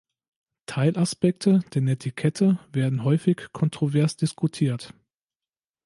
Teilaspekte der Netiquette werden häufig kontrovers diskutiert.